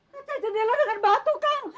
kita jendela dengan batu kang